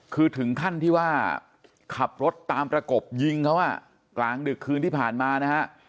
คือถึงขั้นที่ว่าขับรถตามประกบยิงเขากลางดึกคืนที่ผ่านมานะฮะ